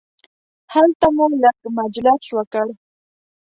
هلته مو لږ مجلس وکړ.